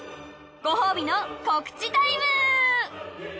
ご褒美の告知タイム！